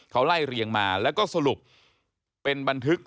เขาไล่เรียงมาแล้วก็สรุปเป็นบันทึก